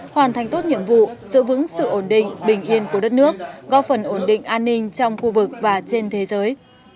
hoàn thành tốt nhiệm vụ giữ vững sự ổn định bình yên của đất nước góp phần ổn định an ninh trong khu vực và trên thế giới